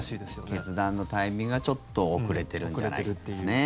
決断のタイミングがちょっと遅れているんじゃないかと。